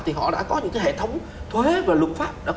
thì họ đã có những cái hệ thống thuế và luật pháp